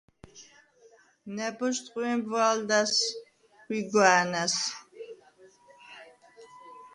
ნა̈ბოზდ ხვე̄მბვა̄ლდა̈ს, ხვიგვა̄̈ნა̈ს.